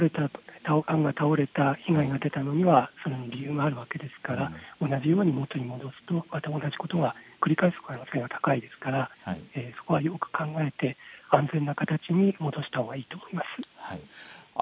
家具が倒れた、被害が出た、それには理由があるわけですから同じように戻すと同じことを繰り返す確率が高いですからよく考えて安全な形に戻したほうがいいと思います。